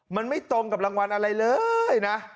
มันไม่ตรงกับรางวัลอะไรเลยนะ